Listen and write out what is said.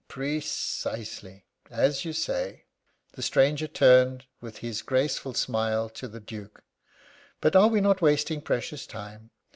"Precisely as you say!" The stranger turned, with his graceful smile, to the Duke: "But are we not wasting precious time?